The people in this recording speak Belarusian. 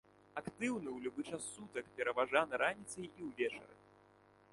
Актыўны ў любы час сутак, пераважна раніцай і ўвечары.